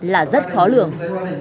là rất khó lường